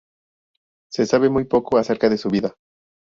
Se sabe muy poco acerca de su vida.